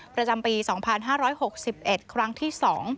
ประจำปี๒๕๖๑ครั้งที่๒